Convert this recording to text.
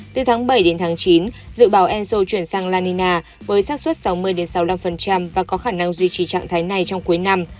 từ tháng bảy đến tháng chín dự bảo enso chuyển sang lanina với sát xuất sáu mươi sáu mươi năm và có khả năng duy trì trạng thái này trong cuối năm